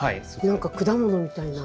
何か果物みたいな。